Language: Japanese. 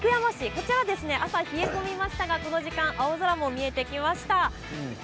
こちらは朝、冷え込みましたがこの時間、青空も見えてきました。